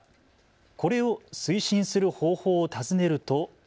これを推進する方法を尋ねると。